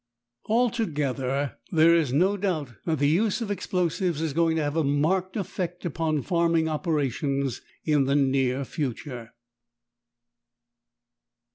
Altogether there is no doubt that the use of explosives is going to have a marked effect upon farming operations in the near future.